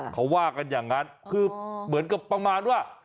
เขาว่ากันอย่างนั้นคือเหมือนกับประมาณว่า